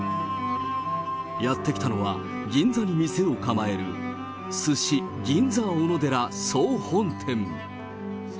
やって来たのは、銀座に店を構える、鮨銀座おのでら総本店。